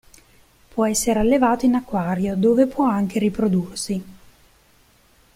Può essere allevato in acquario, dove può anche riprodursi.